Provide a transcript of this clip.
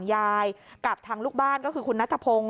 ของยายกับทางลูกบ้านก็คือคุณณธพงษ์